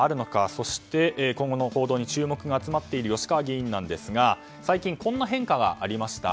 そして今後の報道に注目が集まっている吉川議員なんですが最近こんな変化がありました。